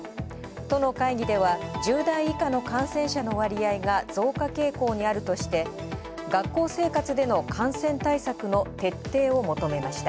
都の会議では、１０代以下の感染者の割合が増加傾向にあるとして、学校生活での感染対策の徹底を求めました。